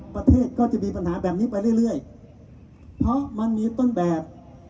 ประเทศก็จะมีปัญหาแบบนี้ไปเรื่อยเพราะมันมีต้นแบบ